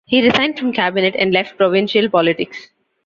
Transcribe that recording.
He resigned from cabinet, and left provincial politics.